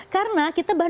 karena kita bahkan